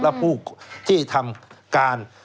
และผู้ที่ทำการ